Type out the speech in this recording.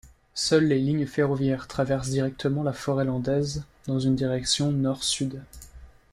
Seules les lignes ferroviaires traversent directement la forêt landaise dans une direction nord-sud.